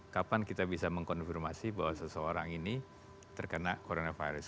kapan kita bisa mengkonfirmasi bahwa seseorang ini terkena coronavirus